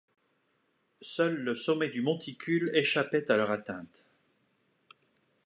Seul le sommet du monticule échappait à leur atteinte.